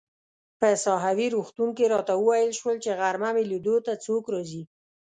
په ساحوي روغتون کې راته وویل شول چي غرمه مې لیدو ته څوک راځي.